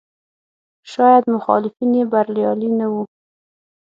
شاید مخالفین یې بریالي نه وو.